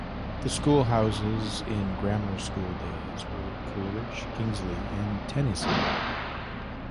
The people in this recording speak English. The School Houses in grammar school days were Coleridge, Kingsley and Tennyson.